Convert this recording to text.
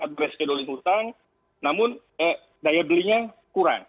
address scheduling hutang namun daya belinya kurang